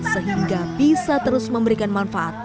sehingga bisa terus memberikan manfaat